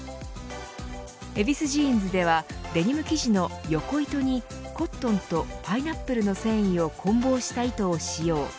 ジーンズではデニム生地の横糸にコットンとパイナップルの繊維を混紡した糸を使用。